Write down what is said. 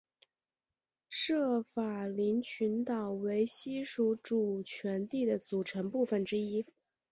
舍法林群岛为西属主权地的组成部分之一。